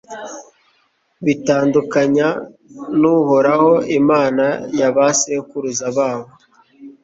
bitandukanya n'uhoraho, imana y'abasekuruza babo